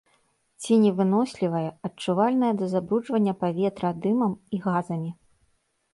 Ценевынослівая, адчувальная да забруджвання паветра дымам і газамі.